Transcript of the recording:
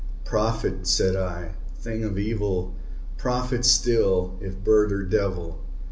"Prophet!" said I, "thing of evil! prophet still, if bird or devil!